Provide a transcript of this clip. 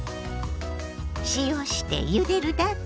塩してゆでるだけ。